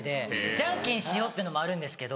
ジャンケンしようっていうのもあるんですけど。